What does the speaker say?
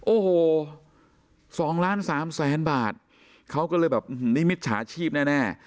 โอ้โห๒ล้าน๓แสนบาทเขาก็เลยแบบอื้มนี่มิชชาชีพแน่